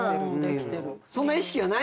そんな意識はないのにね。